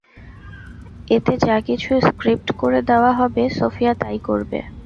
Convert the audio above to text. এতে যা কিছু স্ক্রিপ্ট করে দেওয়া হবে, সোফিয়া তা ই করবে।